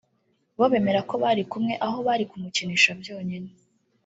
bo bemera ko bari kumwe aho bari kumukinisha byonyine